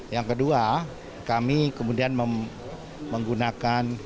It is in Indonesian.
yang kedua kami kemudian menggunakan